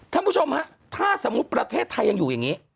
ท่านผู้ชมฮะถ้าสมมุติประเทศไทยยังอยู่อย่างนี้